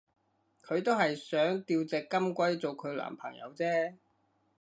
佢都係想吊隻金龜做佢男朋友啫